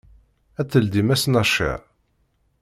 Ad teldim ass n acer?